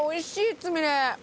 つみれ。